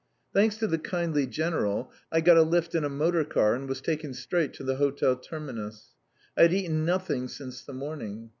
Thanks to the kindly General, I got a lift in a motor car, and was taken straight to the Hotel Terminus. I had eaten nothing since the morning.